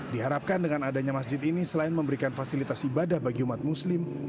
diharapkan dengan adanya masjid ini selain memberikan fasilitas ibadah bagi umat muslim